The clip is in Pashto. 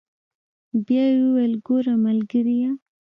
بيا يې وويل ګوره ملګريه.